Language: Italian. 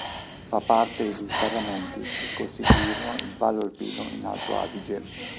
Fa parte degli sbarramenti che costituirono il vallo alpino in Alto Adige.